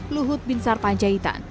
luhut bin sar panjaitan